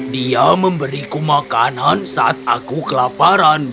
dia memberiku makanan saat aku kelaparan